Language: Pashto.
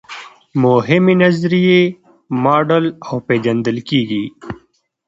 مهمې نظریې موډل او پیژندل کیږي.